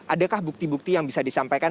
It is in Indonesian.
adakah bukti bukti yang bisa disampaikan